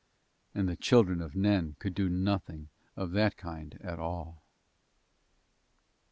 And the children of Nen could do nothing of that kind at all.